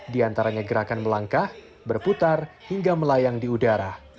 di antaranya gerakan melangkah berputar hingga melayang di udara